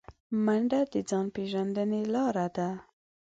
منډه د ځان پیژندنې لاره ده